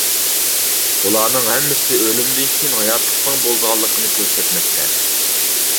بۇلارنىڭ ھەممىسى ئۆلۈمدىن كېيىن ھاياتلىقنىڭ بولىدىغانلىقىنى كۆرسەتمەكتە.